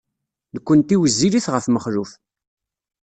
Nekkenti wezzilit ɣef Mexluf.